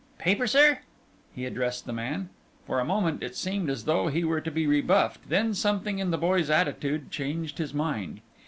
"Paper, sir?" He addressed the man. For a moment it seemed as though he were to be rebuffed, then something in the boy's attitude changed his mind.